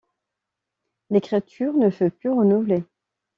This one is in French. L'écriture ne fut plus renouvelée.